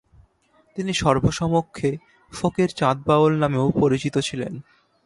তিনি সর্বসমক্ষে ফকির চাঁদ বাউল নামেও পরিচিত ছিলেন।